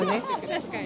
確かに。